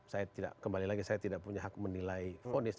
saya tidak kembali lagi saya tidak punya hak menilai fonis